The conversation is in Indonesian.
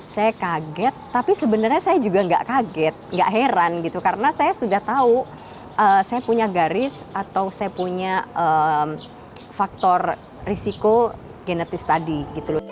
saya kaget tapi sebenarnya saya juga tidak kaget tidak heran karena saya sudah tahu saya punya garis atau saya punya faktor risiko genetis tadi